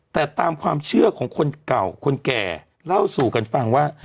แต่ตามความเชื่อของคนเก่าคนแก่เล่าสู่กันฟังว่า